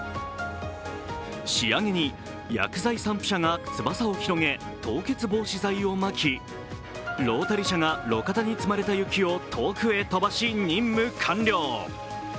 仕上げに薬剤散布車が翼を広げ凍結防止剤をまき、ロータリ車が路肩に積まれた雪を遠くへ飛ばし、任務完了。